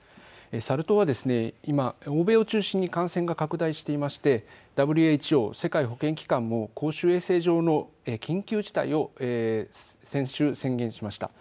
サル痘は今、欧米を中心に感染が拡大していましてＷＨＯ・世界保健機関も公衆衛生上の緊急事態を先週、宣言しました。